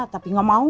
tapi gak mau